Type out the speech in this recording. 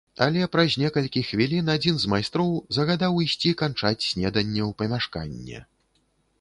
Але праз некалькі хвілін адзін з майстроў загадаў ісці канчаць снеданне ў памяшканне.